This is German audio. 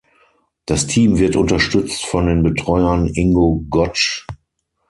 Das Team wird unterstützt von den Betreuern Ingo Gotsch.